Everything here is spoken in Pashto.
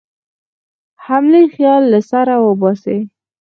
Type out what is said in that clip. حملې خیال له سره وباسي.